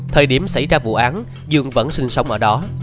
thời điểm xảy ra vụ án dường vẫn sinh sống ở đó